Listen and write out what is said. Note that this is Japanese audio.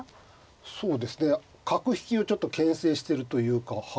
そうですね角引きをちょっとけん制してるというかはい。